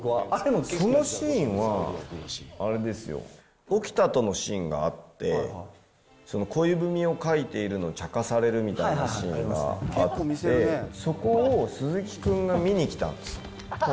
そのシーンはあれですよ、沖田とのシーンがあって、恋文を書いているのをちゃかされるみたいなシーンがあって、そこを鈴木君が見に来たんです。